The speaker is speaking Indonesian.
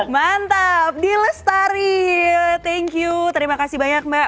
mantap d lestari thank you terima kasih banyak mbak